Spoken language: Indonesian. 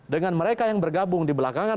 dengan mereka yang bergabung di belakangan